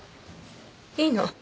いいの。